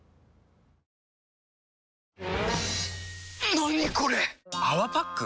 何これ⁉「泡パック」？